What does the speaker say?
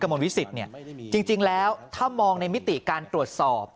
มวลวิสิตเนี่ยจริงแล้วถ้ามองในมิติการตรวจสอบ